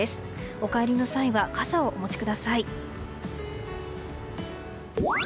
お帰りの際は傘をお持ちください。